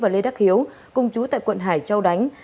và lê đắc hiếu cung chú tại quận hải châu đánh